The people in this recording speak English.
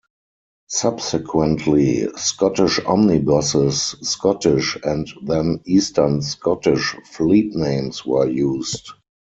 Subsequently, "Scottish Omnibuses", "Scottish", and then "Eastern Scottish" fleetnames were used.